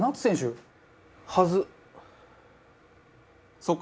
「そっか。